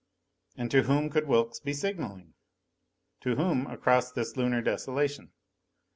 And to whom could Wilks be signaling? To whom, across this Lunar desolation?